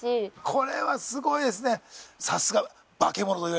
これはすごいですね。